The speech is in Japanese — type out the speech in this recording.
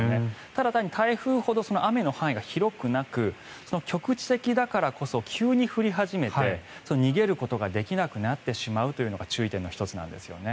ただ単に台風ほど雨の範囲が広くなく局地的だからこそ急に降り始めて逃げることができなくなってしまうというのが注意点の１つなんですね。